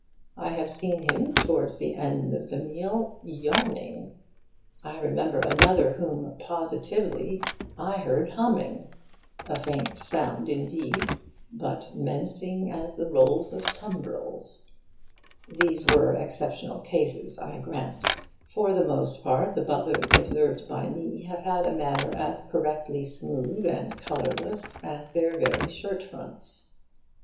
I have seen him, towards the end of the meal, yawning. I remember another whom, positively, I heard humming a faint sound indeed, but menacing as the roll of tumbrils. These were exceptional cases, I grant. For the most part, the butlers observed by me have had a manner as correctly smooth and colourless as their very shirt fronts.